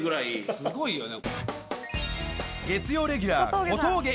すごいよね。